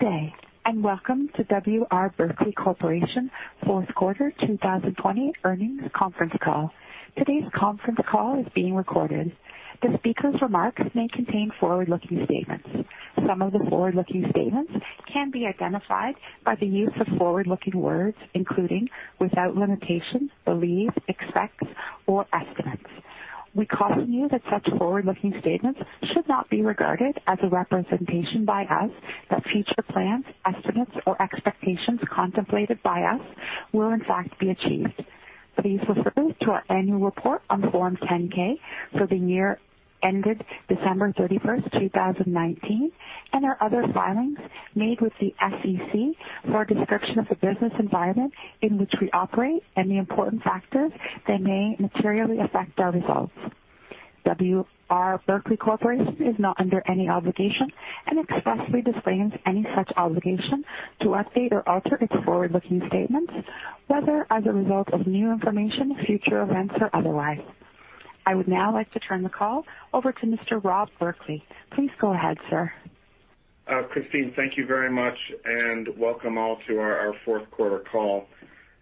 Today and welcome to W. R. Berkley Corporation Fourth Quarter 2020 Earnings Conference Call. Today's conference call is being recorded. The speaker's remarks may contain forward-looking statements. Some of the forward-looking statements can be identified by the use of forward-looking words including without limitations, believe, expects, or estimates. We caution you that such forward-looking statements should not be regarded as a representation by us that future plans, estimates, or expectations contemplated by us will in fact be achieved. Please refer to our annual report on Form 10-K for the year ended December 31, 2019, and our other filings made with the SEC for a description of the business environment in which we operate and the important factors that may materially affect our results. W. R. Berkley Corporation is not under any obligation and expressly disclaims any such obligation to update or alter its forward-looking statements, whether as a result of new information, future events, or otherwise. I would now like to turn the call over to Mr. Rob Berkley. Please go ahead, sir. Christine, thank you very much, and welcome all to our fourth quarter call.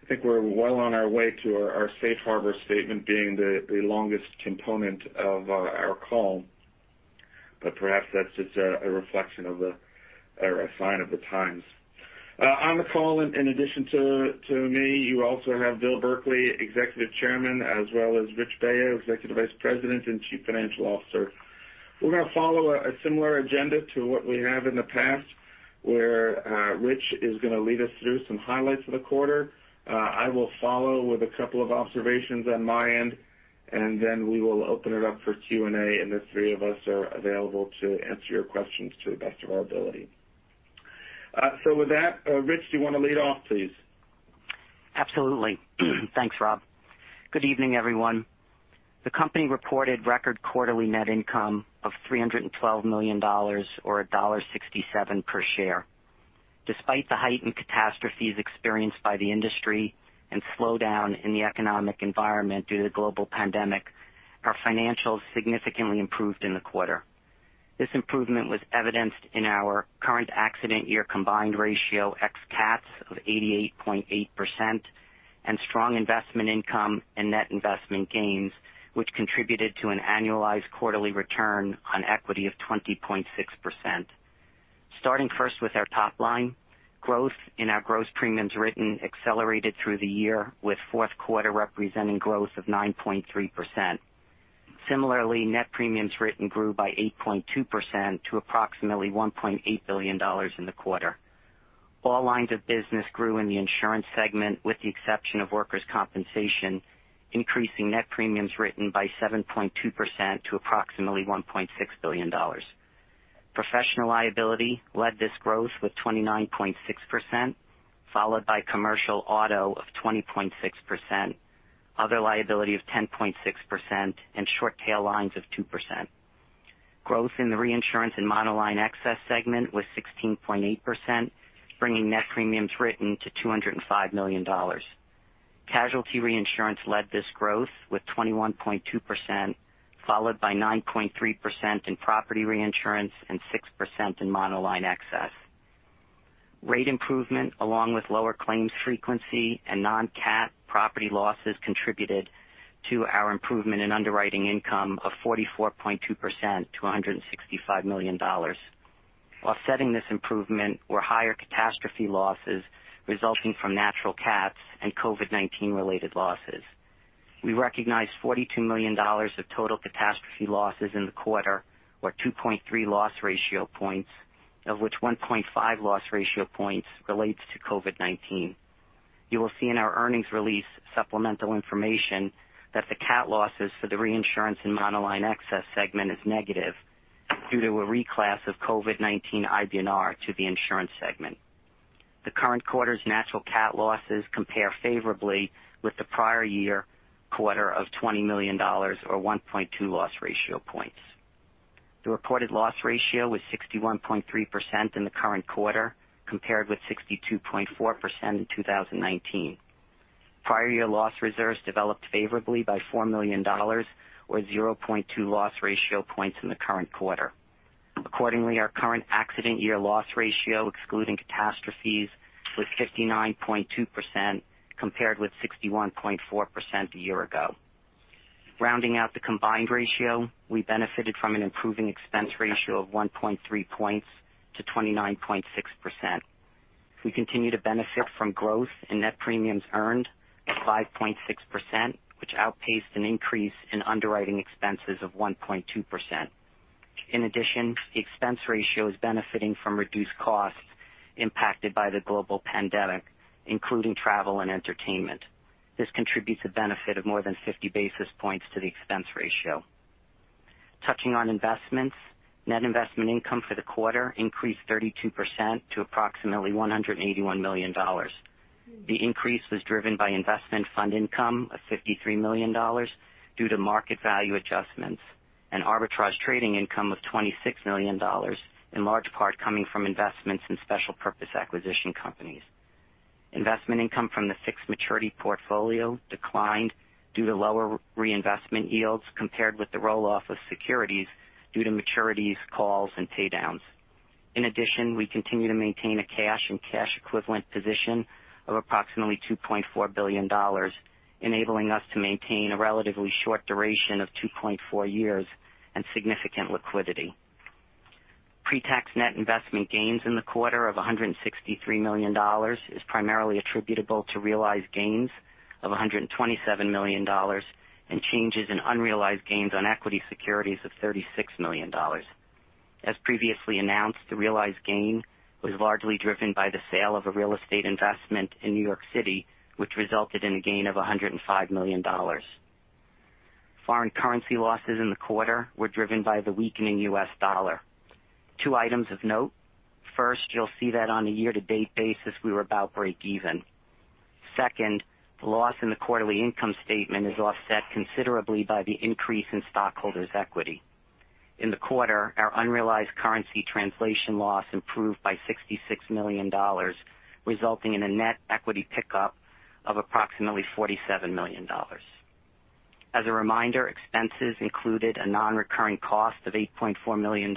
I think we're well on our way to our Safe Harbor statement being the longest component of our call, but perhaps that's just a reflection of a sign of the times. On the call, in addition to me, you also have Bill Berkley, Executive Chairman, as well as Rich Baio, Executive Vice President and Chief Financial Officer. We're going to follow a similar agenda to what we have in the past, where Rich is going to lead us through some highlights of the quarter. I will follow with a couple of observations on my end, and then we will open it up for Q&A and the three of us are available to answer your questions to the best of our ability. So with that, Rich, do you want to lead off, please? Absolutely. Thanks, Rob. Good evening, everyone. The company reported record quarterly net income of $312 million or $1.67 per share. Despite the heightened catastrophes experienced by the industry and slowdown in the economic environment due to the global pandemic, our financials significantly improved in the quarter. This improvement was evidenced in our current accident year combined ratio ex cats of 88.8% and strong investment income and net investment gains, which contributed to an annualized quarterly return on equity of 20.6%. Starting first with our top line, growth in our gross premiums written accelerated through the year with fourth quarter representing growth of 9.3%. Similarly, net premiums written grew by 8.2% to approximately $1.8 billion in the quarter. All lines of business grew in the Insurance segment with the exception of workers' compensation, increasing net premiums written by 7.2% to approximately $1.6 billion. Professional liability led this growth with 29.6%, followed by commercial auto of 20.6%, other liability of 10.6%, and short tail lines of 2%. Growth in the Reinsurance & Monoline Excess segment was 16.8%, bringing net premiums written to $205 million. Casualty reinsurance led this growth with 21.2%, followed by 9.3% in property reinsurance and 6% in monoline excess. Rate improvement, along with lower claims frequency and non-cat property losses, contributed to our improvement in underwriting income of 44.2% to $165 million. Offsetting this improvement were higher catastrophe losses resulting from natural cats and COVID-19-related losses. We recognize $42 million of total catastrophe losses in the quarter or 2.3 loss ratio points, of which 1.5 loss ratio points relates to COVID-19. You will see in our earnings release supplemental information that the cat losses for the Reinsurance & Monoline Excess segment is negative due to a reclass of COVID-19 IBNR to the Insurance segment. The current quarter's natural cat losses compare favorably with the prior year quarter of $20 million or 1.2 loss ratio points. The reported loss ratio was 61.3% in the current quarter compared with 62.4% in 2019. Prior year loss reserves developed favorably by $4 million or 0.2 loss ratio points in the current quarter. Accordingly, our current accident year loss ratio, excluding catastrophes, was 59.2% compared with 61.4% a year ago. Rounding out the combined ratio, we benefited from an improving expense ratio of 1.3 points to 29.6%. We continue to benefit from growth in net premiums earned of 5.6%, which outpaced an increase in underwriting expenses of 1.2%. In addition, the expense ratio is benefiting from reduced costs impacted by the global pandemic, including travel and entertainment. This contributes a benefit of more than 50 basis points to the expense ratio. Touching on investments, net investment income for the quarter increased 32% to approximately $181 million. The increase was driven by investment fund income of $53 million due to market value adjustments and arbitrage trading income of $26 million, in large part coming from investments in special purpose acquisition companies. Investment income from the fixed maturity portfolio declined due to lower reinvestment yields compared with the roll-off of securities due to maturities, calls, and paydowns. In addition, we continue to maintain a cash and cash equivalent position of approximately $2.4 billion, enabling us to maintain a relatively short duration of 2.4 years and significant liquidity. Pretax net investment gains in the quarter of $163 million is primarily attributable to realized gains of $127 million and changes in unrealized gains on equity securities of $36 million. As previously announced, the realized gain was largely driven by the sale of a real estate investment in New York City, which resulted in a gain of $105 million. Foreign currency losses in the quarter were driven by the weakening U.S. dollar. Two items of note: first, you'll see that on a year-to-date basis we were about break-even. Second, the loss in the quarterly income statement is offset considerably by the increase in stockholders' equity. In the quarter, our unrealized currency translation loss improved by $66 million, resulting in a net equity pickup of approximately $47 million. As a reminder, expenses included a non-recurring cost of $8.4 million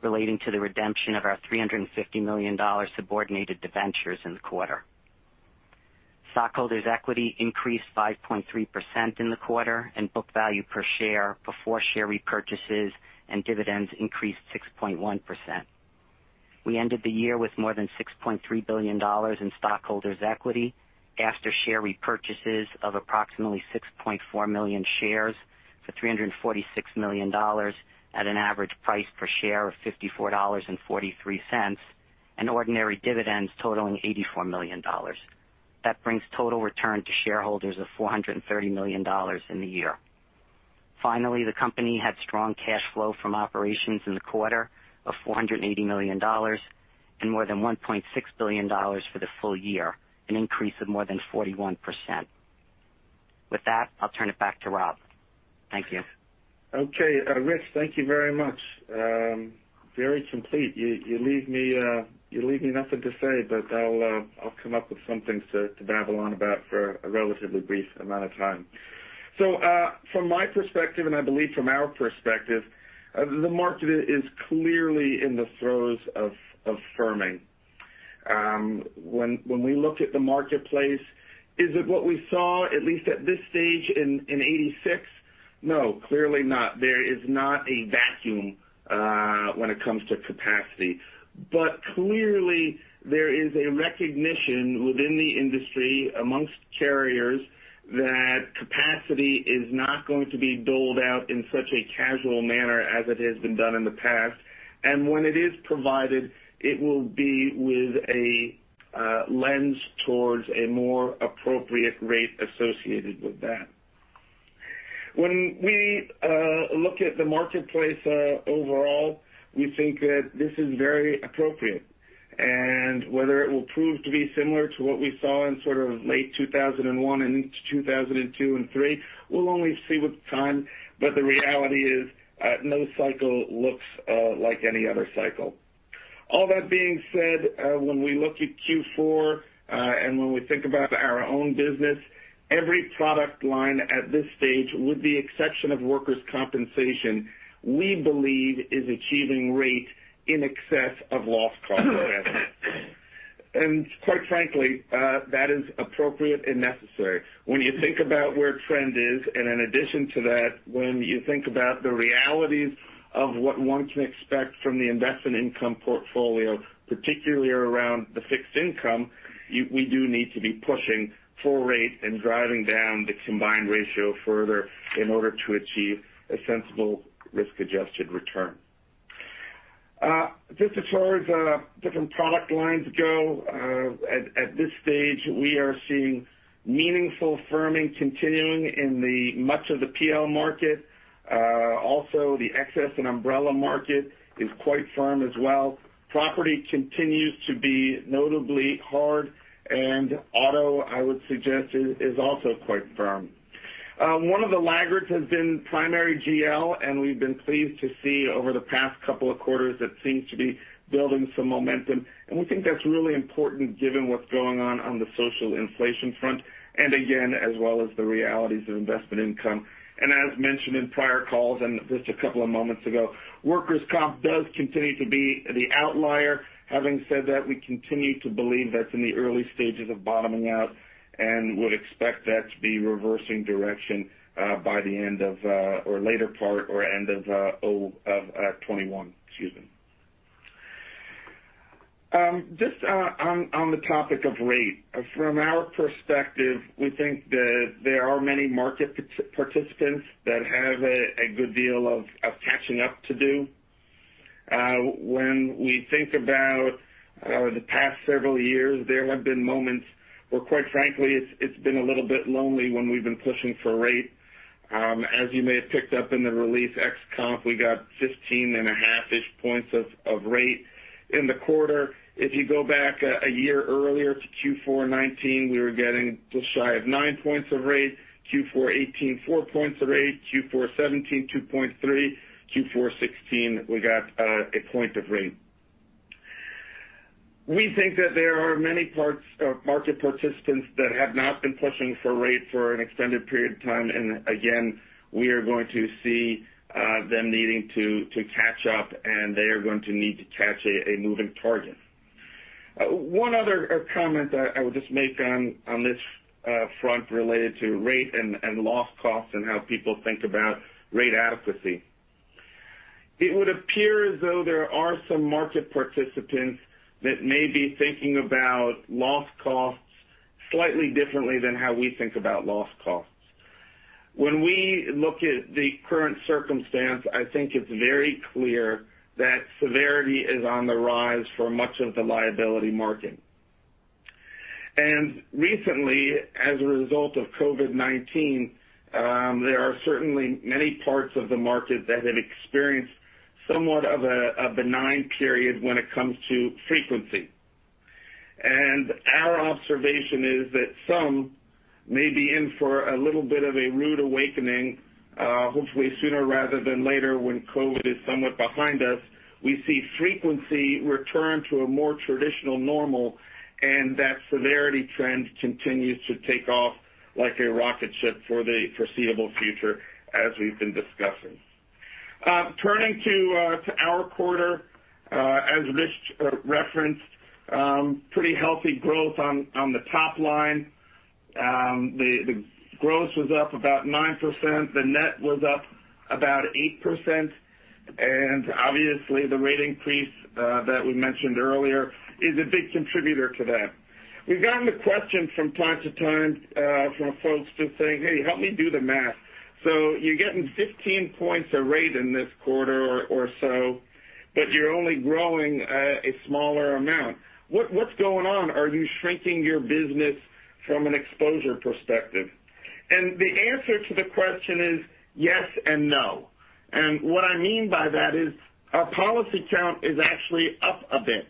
relating to the redemption of our $350 million subordinated debentures in the quarter. Stockholders' equity increased 5.3% in the quarter, and book value per share before share repurchases and dividends increased 6.1%. We ended the year with more than $6.3 billion in stockholders' equity after share repurchases of approximately 6.4 million shares for $346 million at an average price per share of $54.43 and ordinary dividends totaling $84 million. That brings total return to shareholders of $430 million in the year. Finally, the company had strong cash flow from operations in the quarter of $480 million and more than $1.6 billion for the full year, an increase of more than 41%. With that, I'll turn it back to Rob. Thank you. Okay, Rich, thank you very much. Very complete. You leave me nothing to say, but I'll come up with some things to babble on about for a relatively brief amount of time. So from my perspective, and I believe from our perspective, the market is clearly in the throes of firming. When we look at the marketplace, is it what we saw, at least at this stage in 1986? No, clearly not. There is not a vacuum when it comes to capacity. But clearly, there is a recognition within the industry amongst carriers that capacity is not going to be doled out in such a casual manner as it has been done in the past. And when it is provided, it will be with a lens towards a more appropriate rate associated with that. When we look at the marketplace overall, we think that this is very appropriate. And whether it will prove to be similar to what we saw in sort of late 2001 and into 2002 and 2003, we'll only see with time. But the reality is no cycle looks like any other cycle. All that being said, when we look at Q4 and when we think about our own business, every product line at this stage, with the exception of workers' compensation, we believe is achieving rate in excess of loss cost. And quite frankly, that is appropriate and necessary. When you think about where trend is, and in addition to that, when you think about the realities of what one can expect from the investment income portfolio, particularly around the fixed income, we do need to be pushing full rate and driving down the combined ratio further in order to achieve a sensible risk-adjusted return. Just as far as different product lines go, at this stage, we are seeing meaningful firming continuing in much of the PL market. Also, the excess and umbrella market is quite firm as well. Property continues to be notably hard, and auto, I would suggest, is also quite firm. One of the laggards has been primary GL, and we've been pleased to see over the past couple of quarters that seems to be building some momentum. And we think that's really important given what's going on on the social inflation front and, again, as well as the realities of investment income. And as mentioned in prior calls and just a couple of moments ago, workers' comp does continue to be the outlier. Having said that, we continue to believe that's in the early stages of bottoming out and would expect that to be reversing direction by the end of or later part or end of 2021. Excuse me. Just on the topic of rate, from our perspective, we think that there are many market participants that have a good deal of catching up to do. When we think about the past several years, there have been moments where, quite frankly, it's been a little bit lonely when we've been pushing for rate. As you may have picked up in the release, ex comp, we got 15.5-ish points of rate in the quarter. If you go back a year earlier to Q4 2019, we were getting just shy of nine points of rate. Q4 2018, four points of rate. Q4 2017, 2.3 points of rate. Q4 2016, we got a point of rate. We think that there are many parts of market participants that have not been pushing for rate for an extended period of time, and again, we are going to see them needing to catch up, and they are going to need to catch a moving target. One other comment I would just make on this front related to rate and loss costs and how people think about rate adequacy. It would appear as though there are some market participants that may be thinking about loss costs slightly differently than how we think about loss costs. When we look at the current circumstance, I think it's very clear that severity is on the rise for much of the liability market, and recently, as a result of COVID-19, there are certainly many parts of the market that have experienced somewhat of a benign period when it comes to frequency. Our observation is that some may be in for a little bit of a rude awakening, hopefully sooner rather than later when COVID is somewhat behind us. We see frequency return to a more traditional normal, and that severity trend continues to take off like a rocket ship for the foreseeable future, as we've been discussing. Turning to our quarter, as Rich referenced, pretty healthy growth on the top line. The gross was up about 9%. The net was up about 8%. And obviously, the rate increase that we mentioned earlier is a big contributor to that. We've gotten the question from time to time from folks just saying, "Hey, help me do the math." So you're getting 15 points of rate in this quarter or so, but you're only growing a smaller amount. What's going on? Are you shrinking your business from an exposure perspective? The answer to the question is yes and no. What I mean by that is our policy count is actually up a bit.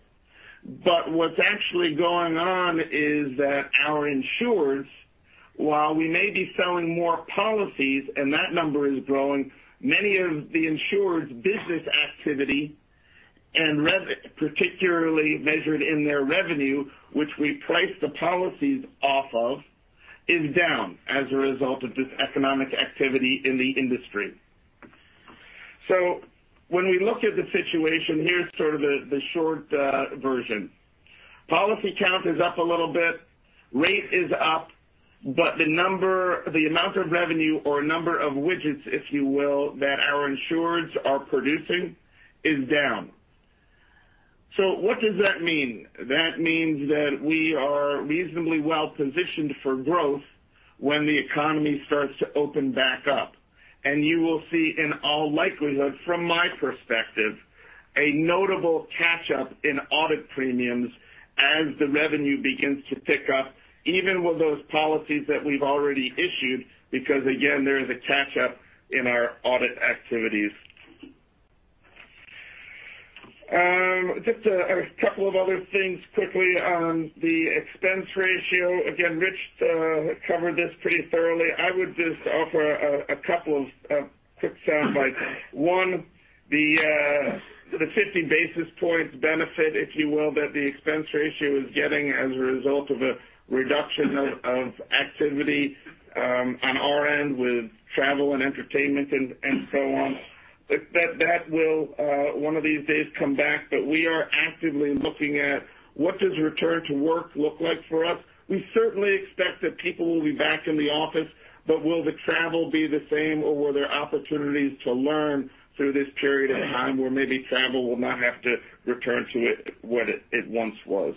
But what's actually going on is that our insureds, while we may be selling more policies, and that number is growing, many of the insureds' business activity, and particularly measured in their revenue, which we price the policies off of, is down as a result of this economic activity in the industry. When we look at the situation, here's sort of the short version. Policy count is up a little bit. Rate is up, but the number, the amount of revenue or number of widgets, if you will, that our insureds are producing is down. What does that mean? That means that we are reasonably well positioned for growth when the economy starts to open back up. You will see, in all likelihood, from my perspective, a notable catch-up in audit premiums as the revenue begins to pick up, even with those policies that we've already issued, because, again, there is a catch-up in our audit activities. Just a couple of other things quickly on the expense ratio. Again, Rich covered this pretty thoroughly. I would just offer a couple of quick sound bites. One, the 15 basis points benefit, if you will, that the expense ratio is getting as a result of a reduction of activity on our end with travel and entertainment and so on. That will, one of these days, come back. But we are actively looking at what does return to work look like for us. We certainly expect that people will be back in the office, but will the travel be the same, or will there be opportunities to learn through this period of time where maybe travel will not have to return to what it once was?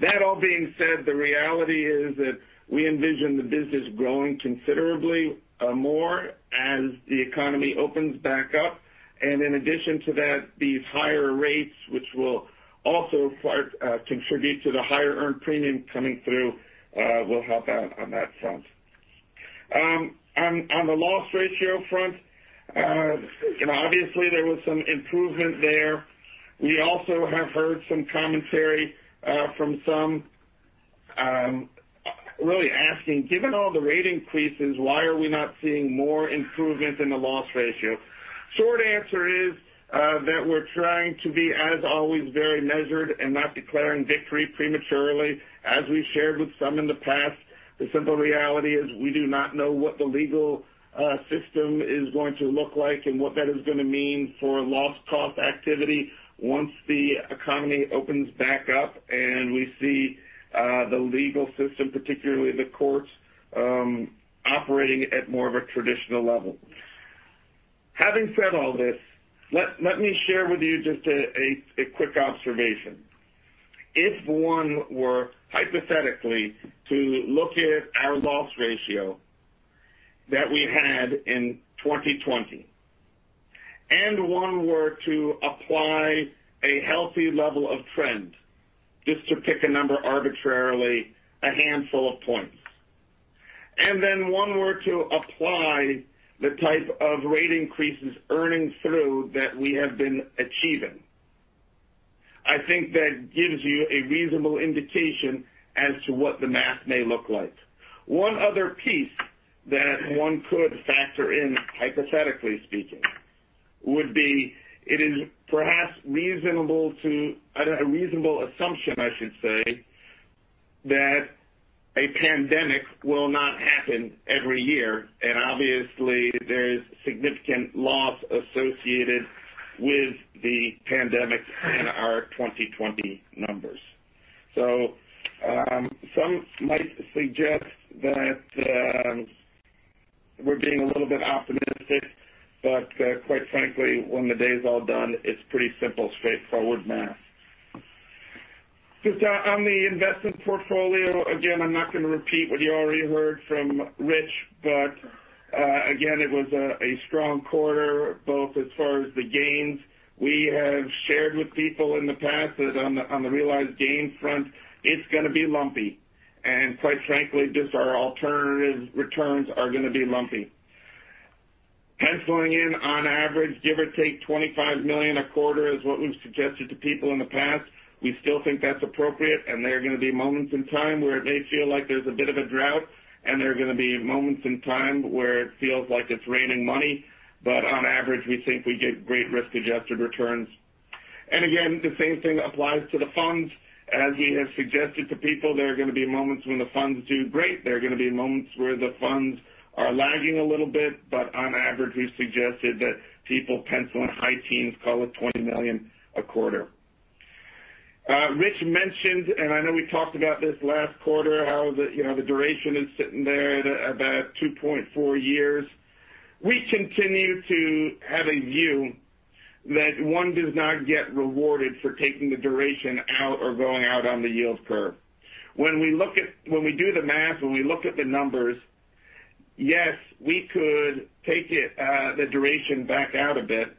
That all being said, the reality is that we envision the business growing considerably more as the economy opens back up, and in addition to that, these higher rates, which will also contribute to the higher earned premium coming through, will help out on that front. On the loss ratio front, obviously, there was some improvement there. We also have heard some commentary from some really asking, "Given all the rate increases, why are we not seeing more improvement in the loss ratio?" Short answer is that we're trying to be, as always, very measured and not declaring victory prematurely, as we've shared with some in the past. The simple reality is we do not know what the legal system is going to look like and what that is going to mean for loss cost activity once the economy opens back up and we see the legal system, particularly the courts, operating at more of a traditional level. Having said all this, let me share with you just a quick observation. If one were, hypothetically, to look at our loss ratio that we had in 2020 and one were to apply a healthy level of trend, just to pick a number arbitrarily, a handful of points, and then one were to apply the type of rate increases earning through that we have been achieving, I think that gives you a reasonable indication as to what the math may look like. One other piece that one could factor in, hypothetically speaking, would be it is perhaps reasonable to, a reasonable assumption, I should say, that a pandemic will not happen every year. And obviously, there is significant loss associated with the pandemic and our 2020 numbers. So some might suggest that we're being a little bit optimistic, but quite frankly, when the day's all done, it's pretty simple, straightforward math. Just on the investment portfolio, again, I'm not going to repeat what you already heard from Rich, but again, it was a strong quarter, both as far as the gains. We have shared with people in the past that on the realized gain front, it's going to be lumpy. And quite frankly, just our alternative returns are going to be lumpy. Penciling in, on average, give or take $25 million a quarter is what we've suggested to people in the past. We still think that's appropriate, and there are going to be moments in time where it may feel like there's a bit of a drought, and there are going to be moments in time where it feels like it's raining money. But on average, we think we get great risk-adjusted returns. And again, the same thing applies to the funds. As we have suggested to people, there are going to be moments when the funds do great. There are going to be moments where the funds are lagging a little bit. But on average, we've suggested that people pencil in high teens, call it $20 million a quarter. Rich mentioned, and I know we talked about this last quarter, how the duration is sitting there at about 2.4 years. We continue to have a view that one does not get rewarded for taking the duration out or going out on the yield curve. When we do the math, when we look at the numbers, yes, we could take the duration back out a bit.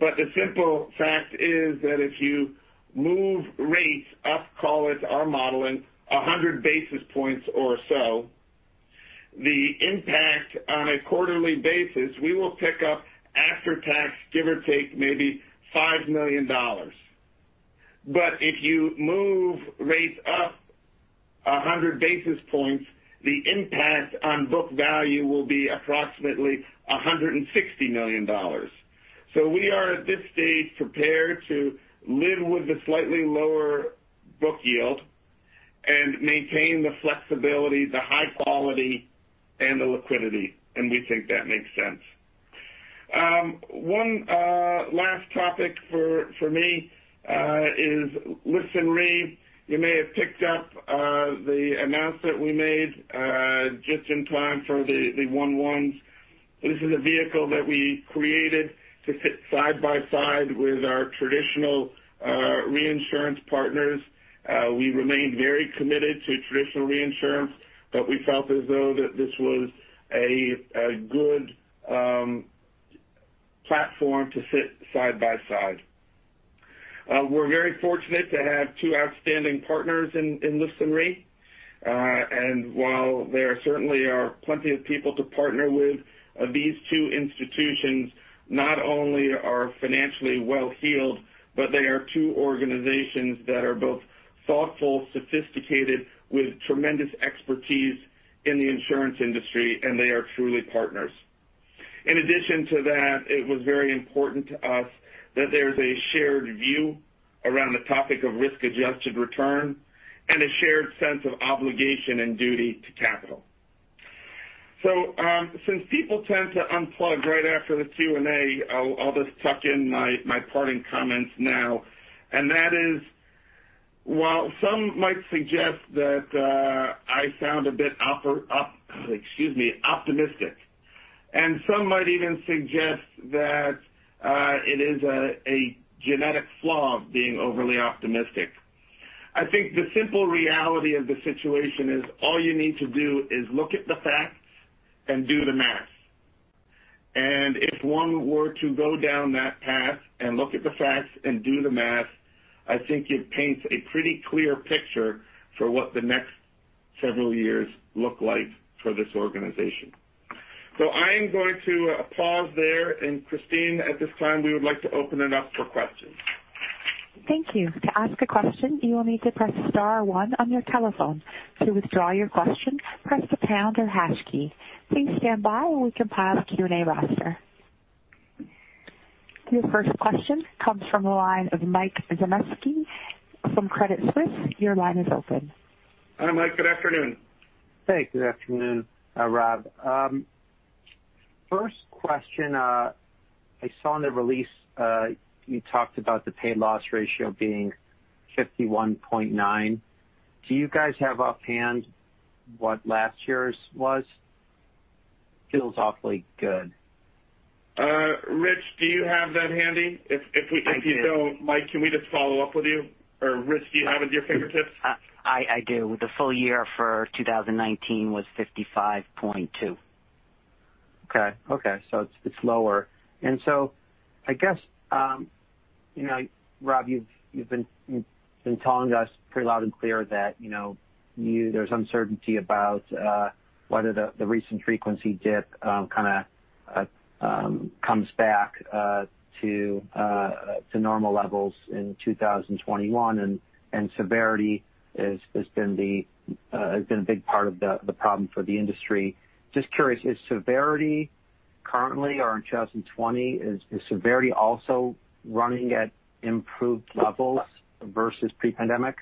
But the simple fact is that if you move rates up, call it our modeling, 100 basis points or so, the impact on a quarterly basis we will pick up after tax, give or take maybe $5 million. But if you move rates up 100 basis points, the impact on book value will be approximately $160 million. So we are at this stage prepared to live with the slightly lower book yield and maintain the flexibility, the high quality, and the liquidity. And we think that makes sense. One last topic for me is Lifson Re. You may have picked up the announcement we made just in time for the 1/1. This is a vehicle that we created to sit side by side with our traditional reinsurance partners./ We remained very committed to traditional reinsurance, but we felt as though this was a good platform to sit side by side. We're very fortunate to have two outstanding partners in Lifson Re, and while there certainly are plenty of people to partner with, these two institutions not only are financially well-heeled, but they are two organizations that are both thoughtful, sophisticated, with tremendous expertise in the insurance industry, and they are truly partners. In addition to that, it was very important to us that there's a shared view around the topic of risk-adjusted return and a shared sense of obligation and duty to capital, so since people tend to unplug right after the Q&A, I'll just tuck in my parting comments now. And that is, while some might suggest that I sound a bit, excuse me, optimistic, and some might even suggest that it is a genetic flaw of being overly optimistic. I think the simple reality of the situation is all you need to do is look at the facts and do the math. And if one were to go down that path and look at the facts and do the math, I think it paints a pretty clear picture for what the next several years look like for this organization. So I am going to pause there. And Christine, at this time, we would like to open it up for questions. Thank you. To ask a question, you will need to press star one on your telephone. To withdraw your question, press the pound or hash key. Please stand by while we compile the Q&A roster. Your first question comes from the line of Mike Zaremski from Credit Suisse. Your line is open. Hi, Mike. Good afternoon. Hey, good afternoon, Rob. First question, I saw in the release you talked about the paid loss ratio being 51.9%. Do you guys have offhand what last year's was? Feels awfully good. Rich, do you have that handy? If you don't, Mike, can we just follow up with you? Or Rich, do you have it at your fingertips? I do. The full year for 2019 was 55.2%. Okay. So it's lower. And so I guess, Rob, you've been telling us pretty loud and clear that there's uncertainty about whether the recent frequency dip kind of comes back to normal levels in 2021. And severity has been a big part of the problem for the industry. Just curious, is severity currently or in 2020, is severity also running at improved levels versus pre-pandemic?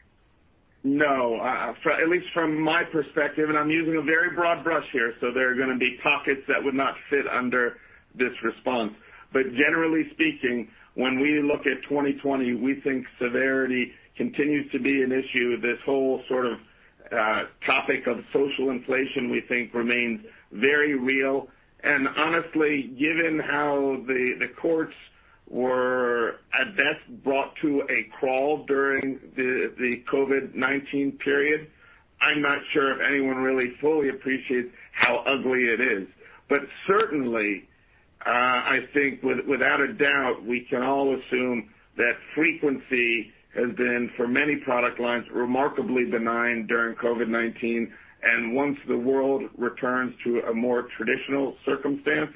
No. At least from my perspective, and I'm using a very broad brush here, so there are going to be pockets that would not fit under this response. But generally speaking, when we look at 2020, we think severity continues to be an issue. This whole sort of topic of social inflation, we think, remains very real. And honestly, given how the courts were at best brought to a crawl during the COVID-19 period, I'm not sure if anyone really fully appreciates how ugly it is. But certainly, I think without a doubt, we can all assume that frequency has been, for many product lines, remarkably benign during COVID-19. And once the world returns to a more traditional circumstance,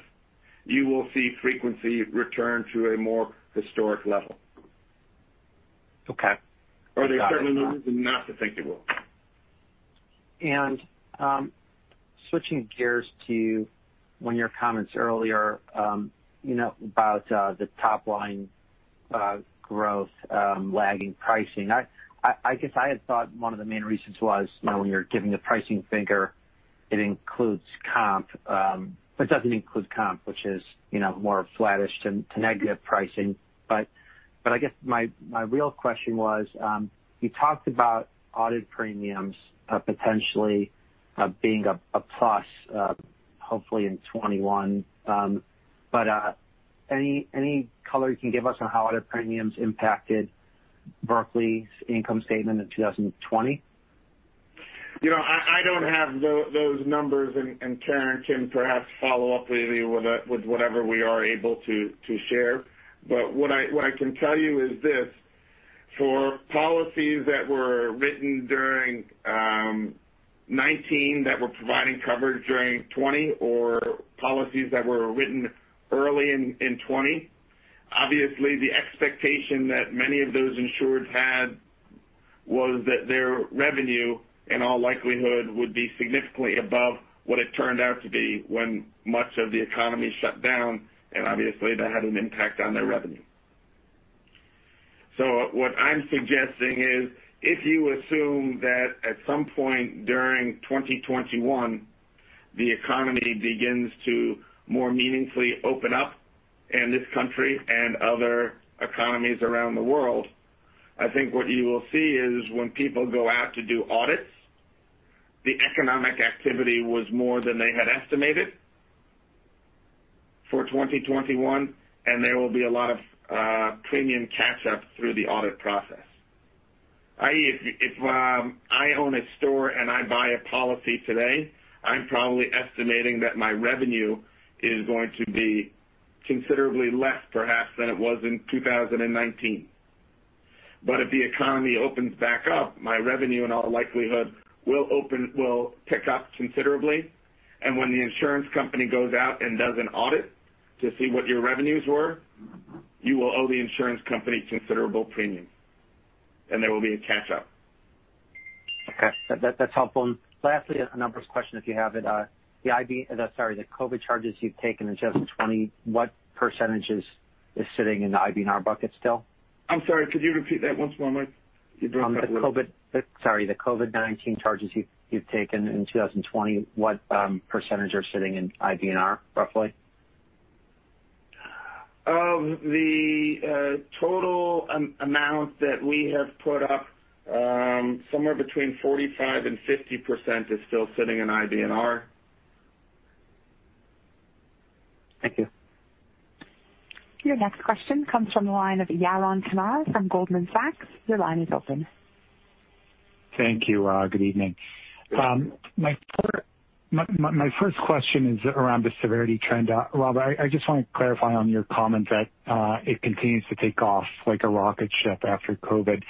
you will see frequency return to a more historic level. Okay. Or there's certainly no reason not to think it will. Switching gears to one of your comments earlier about the top-line growth, lagging pricing, I guess I had thought one of the main reasons was when you're giving the pricing figure, it includes comp, but doesn't include comp, which is more flattish to negative pricing. But I guess my real question was, you talked about audit premiums potentially being a plus, hopefully in 2021. But any color you can give us on how audit premiums impacted Berkley's income statement in 2020? I don't have those numbers, and Karen can perhaps follow up with you with whatever we are able to share, but what I can tell you is this: for policies that were written during 2019 that were providing coverage during 2020, or policies that were written early in 2020, obviously, the expectation that many of those insureds had was that their revenue, in all likelihood, would be significantly above what it turned out to be when much of the economy shut down, and obviously, that had an impact on their revenue. So what I'm suggesting is, if you assume that at some point during 2021, the economy begins to more meaningfully open up in this country and other economies around the world, I think what you will see is when people go out to do audits, the economic activity was more than they had estimated for 2021, and there will be a lot of premium catch-up through the audit process. i.e., if I own a store and I buy a policy today, I'm probably estimating that my revenue is going to be considerably less, perhaps, than it was in 2019, but if the economy opens back up, my revenue, in all likelihood, will pick up considerably, and when the insurance company goes out and does an audit to see what your revenues were, you will owe the insurance company considerable premiums, and there will be a catch-up. Okay. That's helpful. Lastly, a number of questions, if you have it. The COVID charges you've taken in 2020, what percentage is sitting in the IBNR bucket still? I'm sorry. Could you repeat that once more, Mike? You broke up. The COVID, sorry, the COVID-19 charges you've taken in 2020, what percentage are sitting in IBNR, roughly? The total amount that we have put up, somewhere between 45% and 50% is still sitting in IBNR. Thank you. Your next question comes from the line of Yaron Kinar from Goldman Sachs. Your line is open. Thank you. Good evening. My first question is around the severity trend. Rob, I just want to clarify on your comment that it continues to take off like a rocket ship after COVID.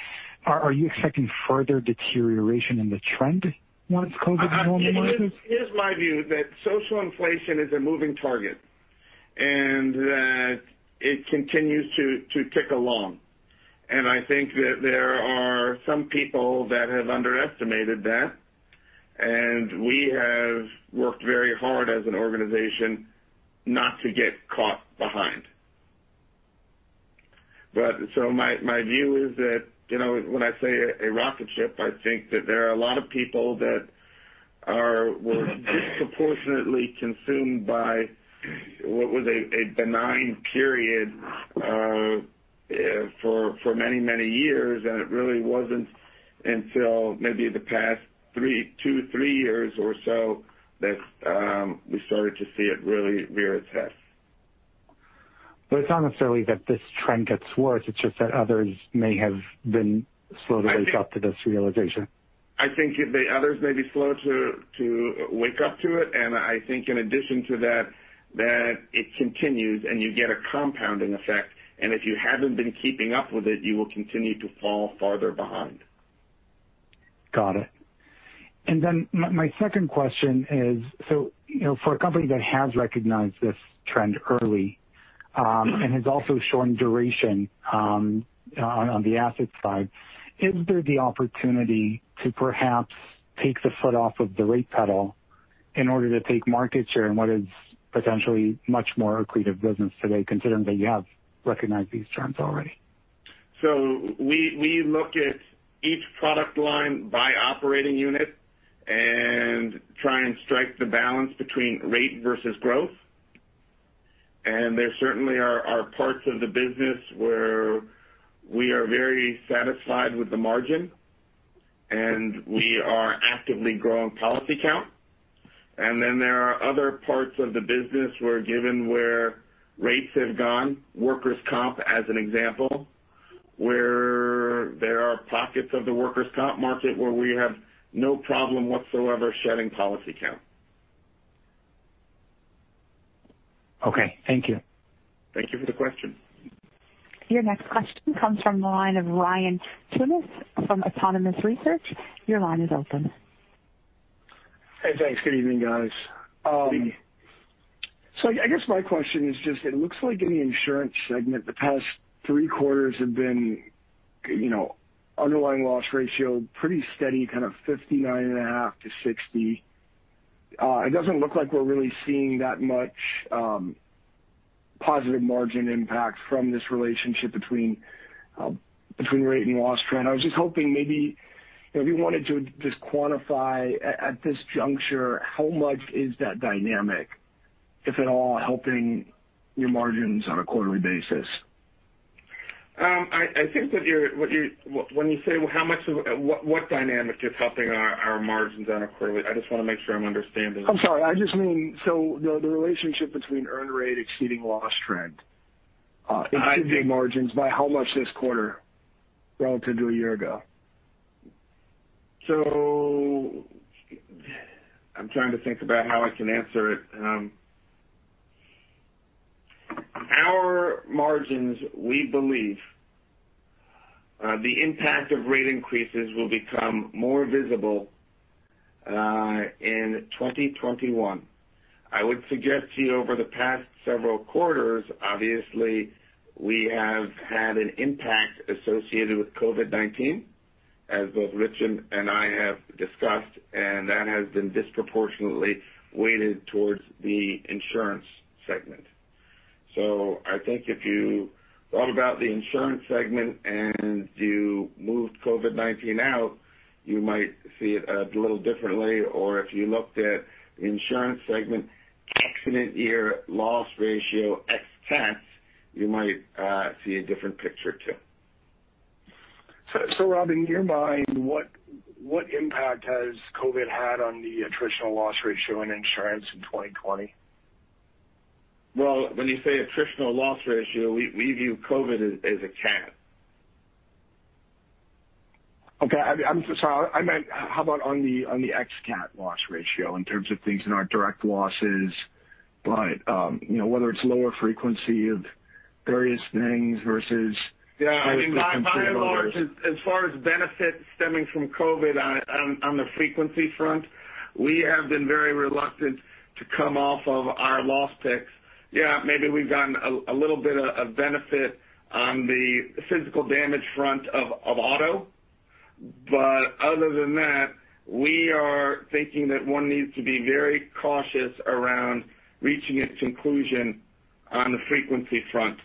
Are you expecting further deterioration in the trend once COVID normalizes? My view is that social inflation is a moving target and that it continues to tick along, and I think that there are some people that have underestimated that, and we have worked very hard as an organization not to get caught behind, so my view is that when I say a rocket ship, I think that there are a lot of people that were disproportionately consumed by what was a benign period for many, many years, and it really wasn't until maybe the past two years, three years or so that we started to see it really rear its head. But it's not necessarily that this trend gets worse. It's just that others may have been slow to wake up to this realization. I think that others may be slow to wake up to it, and I think in addition to that, that it continues and you get a compounding effect, and if you haven't been keeping up with it, you will continue to fall farther behind. Got it. And then my second question is, so for a company that has recognized this trend early and has also shown duration on the asset side, is there the opportunity to perhaps take the foot off of the rate pedal in order to take market share in what is potentially much more accretive business today, considering that you have recognized these trends already? So we look at each product line by operating unit and try and strike the balance between rate versus growth. And there certainly are parts of the business where we are very satisfied with the margin, and we are actively growing policy count. And then there are other parts of the business where, given where rates have gone, workers' comp, as an example, where there are pockets of the workers' comp market where we have no problem whatsoever shedding policy count. Okay. Thank you. Thank you for the question. Your next question comes from the line of Ryan Tunis from Autonomous Research. Your line is open. Hey, thanks. Good evening, guys. So I guess my question is just, it looks like in the Insurance segment, the past three quarters have been underlying loss ratio pretty steady, kind of 59.5%-60%. It doesn't look like we're really seeing that much positive margin impact from this relationship between rate and loss trend. I was just hoping maybe if you wanted to just quantify at this juncture, how much is that dynamic, if at all, helping your margins on a quarterly basis? I think that when you say how much of what dynamic is helping our margins on a quarterly, I just want to make sure I'm understanding. I'm sorry. I just mean, so the relationship between earned rate exceeding loss trend exceeding margins by how much this quarter relative to a year ago? I'm trying to think about how I can answer it. Our margins, we believe the impact of rate increases will become more visible in 2021. I would suggest to you over the past several quarters, obviously, we have had an impact associated with COVID-19, as both Rich and I have discussed, and that has been disproportionately weighted towards the Insurance segment. I think if you thought about the Insurance segment and you moved COVID-19 out, you might see it a little differently. Or if you looked at the Insurance segment, accident year loss ratio ex cats, you might see a different picture too. So Rob, in your mind, what impact has COVID had on the attritional loss ratio in insurance in 2020? Well, when you say attritional loss ratio, we view COVID as a cap. Okay. I'm sorry. How about on the ex-cat loss ratio in terms of things in our direct losses, but whether it's lower frequency of various things versus? Yeah. As far as benefits stemming from COVID on the frequency front, we have been very reluctant to come off of our loss picks. Yeah, maybe we've gotten a little bit of benefit on the physical damage front of auto. But other than that, we are thinking that one needs to be very cautious around reaching a conclusion on the frequency front.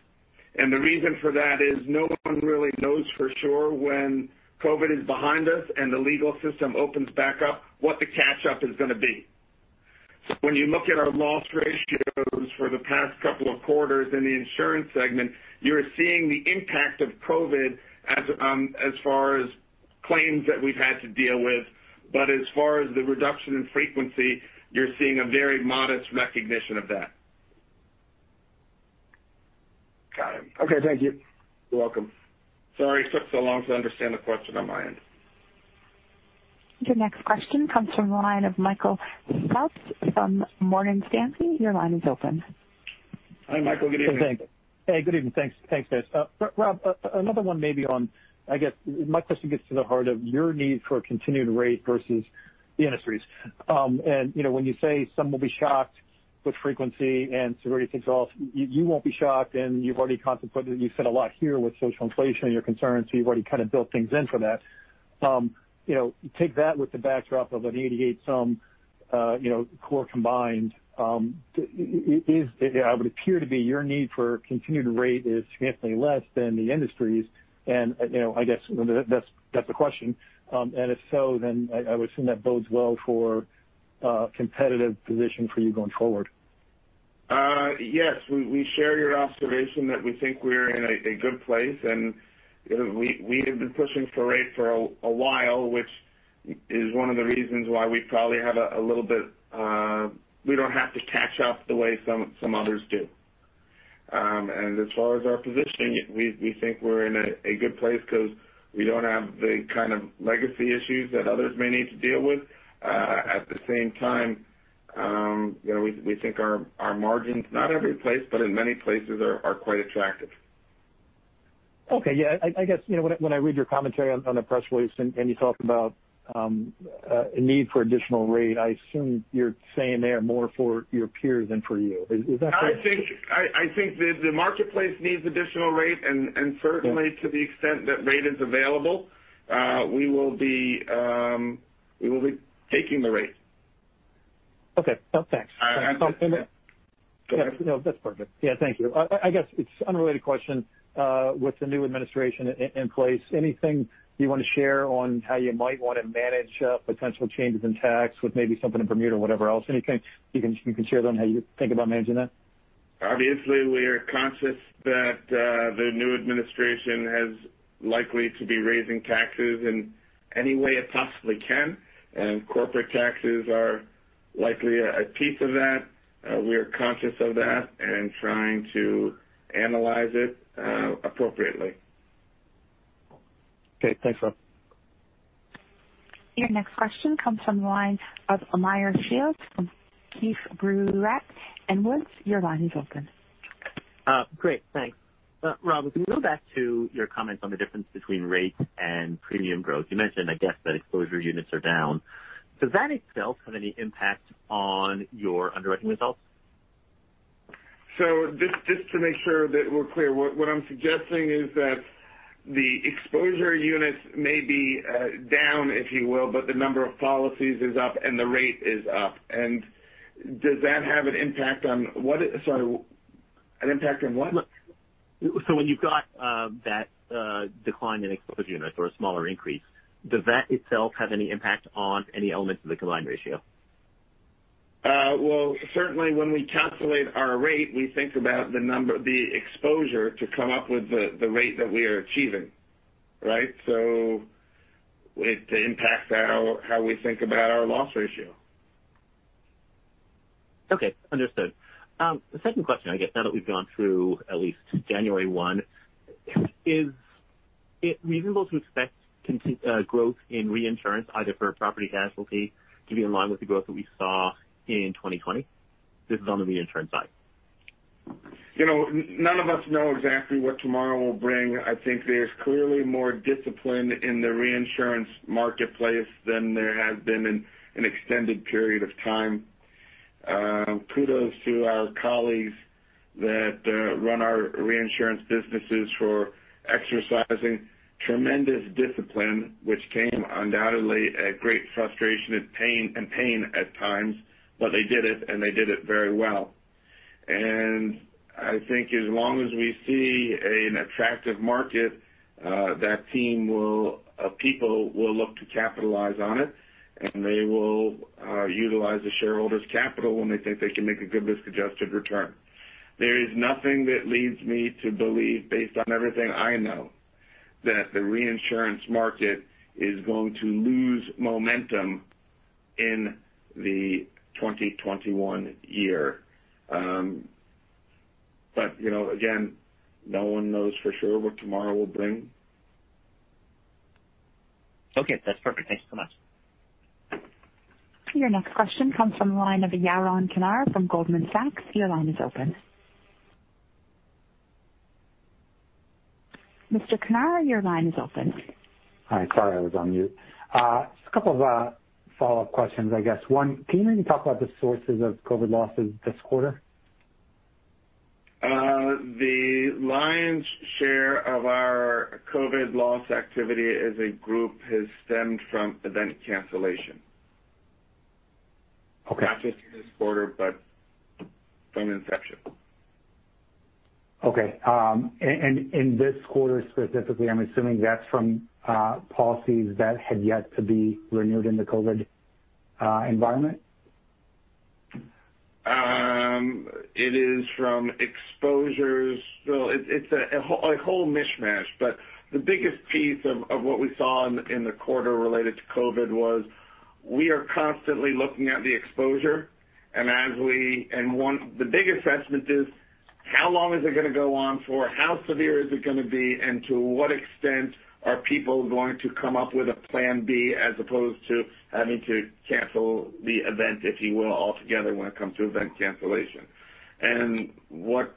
And the reason for that is no one really knows for sure when COVID is behind us and the legal system opens back up, what the catch-up is going to be. So when you look at our loss ratios for the past couple of quarters in the Insurance segment, you're seeing the impact of COVID as far as claims that we've had to deal with. But as far as the reduction in frequency, you're seeing a very modest recognition of that. Got it. Okay. Thank you. You're welcome. Sorry, it took so long to understand the question on my end. Your next question comes from the line of Michael Phillips from Morgan Stanley. Your line is open. Hi, Michael. Good evening. Hey, good evening. Thanks, guys. Rob, another one maybe on, I guess, my question gets to the heart of your need for continued rate versus the industries. And when you say some will be shocked with frequency and severity takes off, you won't be shocked, and you've already contemplated that you've said a lot here with social inflation and your concerns, so you've already kind of built things in for that. Take that with the backdrop of an 88%-some core combined. It would appear to be your need for continued rate is significantly less than the industries. And I guess that's the question. And if so, then I would assume that bodes well for a competitive position for you going forward. Yes. We share your observation that we think we're in a good place. And we have been pushing for rate for a while, which is one of the reasons why we probably have a little bit we don't have to catch up the way some others do. And as far as our position, we think we're in a good place because we don't have the kind of legacy issues that others may need to deal with. At the same time, we think our margins, not every place, but in many places, are quite attractive. Okay. Yeah. I guess when I read your commentary on the press release and you talk about a need for additional rate, I assume you're saying they are more for your peers than for you. Is that correct? I think the marketplace needs additional rate, and certainly, to the extent that rate is available, we will be taking the rate. Okay. Thanks. I think. That's perfect. Yeah. Thank you. I guess it's an unrelated question. With the new administration in place, anything you want to share on how you might want to manage potential changes in tax with maybe something in Bermuda or whatever else? Anything you can share on how you think about managing that? Obviously, we are conscious that the new administration is likely to be raising taxes in any way it possibly can and corporate taxes are likely a piece of that. We are conscious of that and trying to analyze it appropriately. Okay. Thanks, Rob. Your next question comes from the line of Meyer Shields from Keefe, Bruyette & Woods. Your line is open. Great. Thanks. Rob, if we go back to your comments on the difference between rate and premium growth, you mentioned, I guess, that exposure units are down. Does that itself have any impact on your underwriting results? So just to make sure that we're clear, what I'm suggesting is that the exposure units may be down, if you will, but the number of policies is up and the rate is up. And does that have an impact on what? Sorry. An impact on what? So when you've got that decline in exposure units or a smaller increase, does that itself have any impact on any elements of the combined ratio? Certainly, when we calculate our rate, we think about the exposure to come up with the rate that we are achieving, right? It impacts how we think about our loss ratio. Okay. Understood. The second question, I guess, now that we've gone through at least January 1, is it reasonable to expect growth in reinsurance, either for property casualty, to be in line with the growth that we saw in 2020? This is on the Reinsurance side. None of us know exactly what tomorrow will bring. I think there's clearly more discipline in the reinsurance marketplace than there has been in an extended period of time. Kudos to our colleagues that run our Reinsurance businesses for exercising tremendous discipline, which came undoubtedly at great frustration and pain at times. But they did it, and they did it very well. And I think as long as we see an attractive market, that team of people will look to capitalize on it, and they will utilize the shareholders' capital when they think they can make a good risk-adjusted return. There is nothing that leads me to believe, based on everything I know, that the reinsurance market is going to lose momentum in the 2021 year. But again, no one knows for sure what tomorrow will bring. Okay. That's perfect. Thank you so much. Your next question comes from the line of Yaron Kinar from Goldman Sachs. Your line is open. Mr. Kinar, your line is open. Hi, sorry. I was on mute. Just a couple of follow-up questions, I guess. One, can you maybe talk about the sources of COVID losses this quarter? The lion's share of our COVID loss activity as a group has stemmed from event cancellation. Not just this quarter, but from inception. Okay. And in this quarter specifically, I'm assuming that's from policies that had yet to be renewed in the COVID environment? It is from exposures. So it's a whole mishmash. But the biggest piece of what we saw in the quarter related to COVID was we are constantly looking at the exposure. And the big assessment is, how long is it going to go on for? How severe is it going to be? And to what extent are people going to come up with a plan B as opposed to having to cancel the event, if you will, altogether when it comes to event cancellation? And what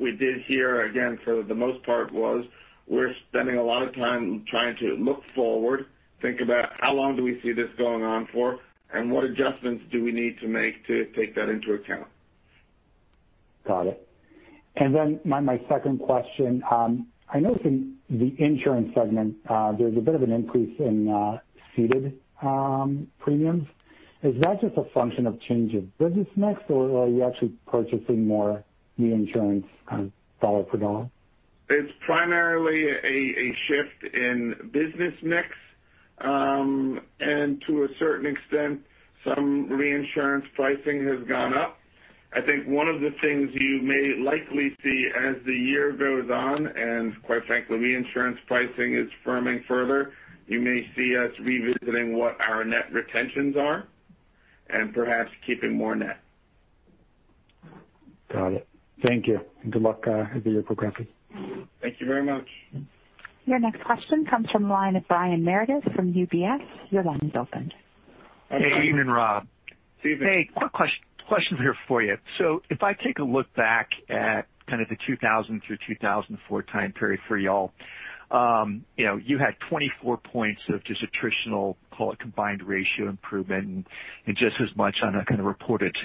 we did here, again, for the most part, was we're spending a lot of time trying to look forward, think about how long do we see this going on for, and what adjustments do we need to make to take that into account? Got it. And then my second question, I know in the Insurance segment, there's a bit of an increase in ceded premiums. Is that just a function of change of business mix, or are you actually purchasing more reinsurance dollar for dollar? It's primarily a shift in business mix, and to a certain extent, some reinsurance pricing has gone up. I think one of the things you may likely see as the year goes on, and quite frankly, reinsurance pricing is firming further, you may see us revisiting what our net retentions are and perhaps keeping more net. Got it. Thank you. And good luck. Thank you very much. Your next question comes from the line of Brian Meredith from UBS. Your line is open. Hey. [Evening,] Rob. [Evening]. Hey. Quick question here for you. So if I take a look back at kind of the 2000-2004 time period for y'all, you had 24 points of just attritional, call it combined ratio improvement, and just as much on a kind of reported.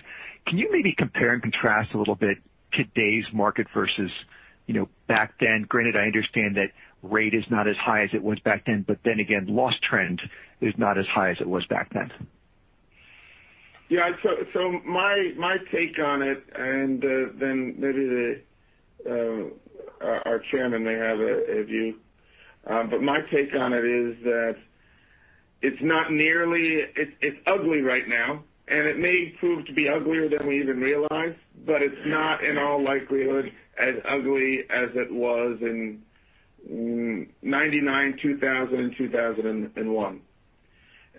Can you maybe compare and contrast a little bit today's market versus back then? Granted, I understand that rate is not as high as it was back then, but then again, loss trend is not as high as it was back then. Yeah. So my take on it, and then maybe our Chairman may have a view, but my take on it is that it's not nearly as ugly right now, and it may prove to be uglier than we even realize, but it's not in all likelihood as ugly as it was in 1999, 2000, and 2001,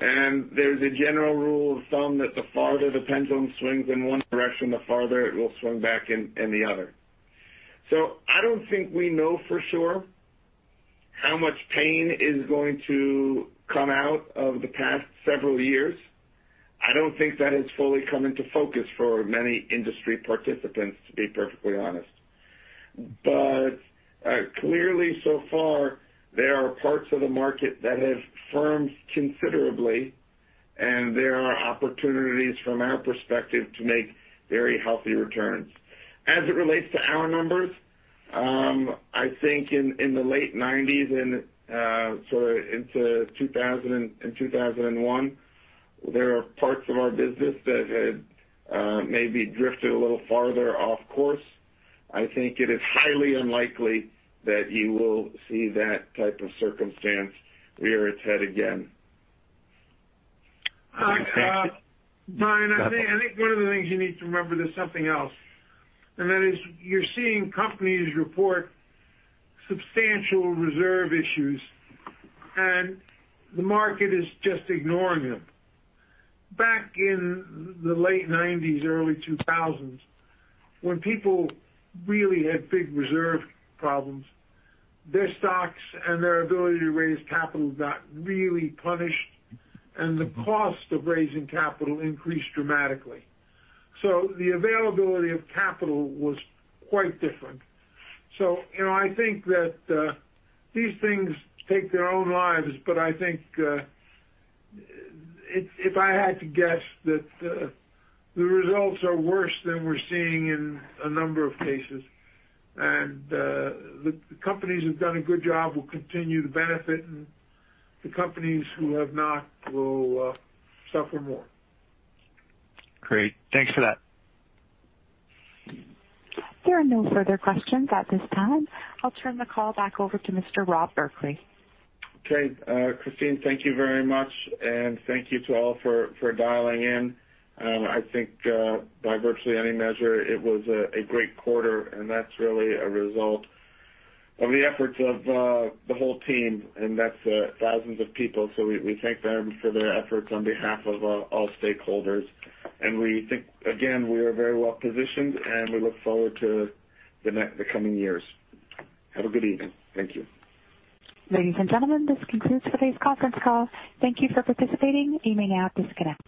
and there's a general rule of thumb that the farther the pendulum swings in one direction, the farther it will swing back in the other, so I don't think we know for sure how much pain is going to come out of the past several years. I don't think that has fully come into focus for many industry participants, to be perfectly honest, but clearly, so far, there are parts of the market that have firmed considerably, and there are opportunities from our perspective to make very healthy returns. As it relates to our numbers, I think in the late 1990s and sort of into 2000 and 2001, there are parts of our business that had maybe drifted a little farther off course. I think it is highly unlikely that you will see that type of circumstance rear its head again. Brian, I think one of the things you need to remember, there's something else, and that is you're seeing companies report substantial reserve issues, and the market is just ignoring them. Back in the late 1990s, early 2000s, when people really had big reserve problems, their stocks and their ability to raise capital got really punished, and the cost of raising capital increased dramatically, so the availability of capital was quite different, so I think that these things take their own lives, but I think if I had to guess that the results are worse than we're seeing in a number of cases, and the companies who've done a good job will continue to benefit, and the companies who have not will suffer more. Great. Thanks for that. There are no further questions at this time. I'll turn the call back over to Mr. Rob Berkley. Okay. Christine, thank you very much. And thank you to all for dialing in. I think by virtually any measure, it was a great quarter, and that's really a result of the efforts of the whole team, and that's thousands of people. So we thank them for their efforts on behalf of all stakeholders. And we think, again, we are very well positioned, and we look forward to the coming years. Have a good evening. Thank you. Ladies and gentlemen, this concludes today's conference call. Thank you for participating. You may now disconnect.